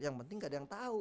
yang penting gak ada yang tahu